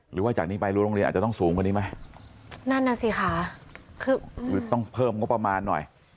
หรือว่าจากนี้ไปรั้วโรงเรียนอาจจะต้องสูงกว่านี้ไหมนั่นน่ะสิค่ะคือต้องเพิ่มงบประมาณหน่อย